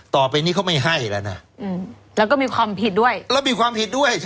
ต่อไปนี้เขาไม่ให้แล้วนะและก็มีความผิดด้วย